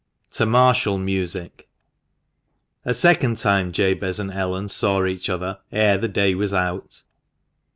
TO MARTIAL MUSIC. SECOND time Jabez and Ellen saw each other ere the day was out.